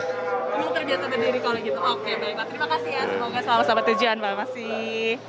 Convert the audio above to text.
emang terbiasa berdiri kalau gitu oke baiklah terima kasih ya semoga selalu selamat tujuan pak masih